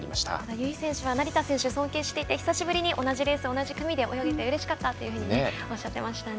由井選手は成田選手を尊敬していて久しぶりに同じレース、同じ組で泳げてうれしかったとおっしゃっていましたね。